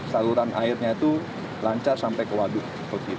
saluran airnya itu lancar sampai ke waduk